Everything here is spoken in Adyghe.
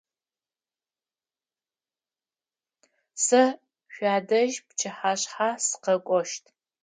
Сэ шъуадэжь пчыхьашъхьэ сыкъэкӏощт.